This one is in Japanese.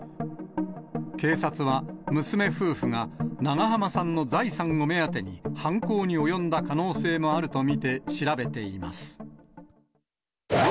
警察は娘夫婦が長濱さんの財産を目当てに犯行に及んだ可能性もあると見て調べています。